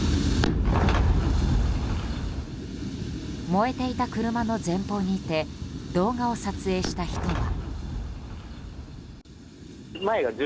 燃えていた車の前方にいて動画を撮影した人は。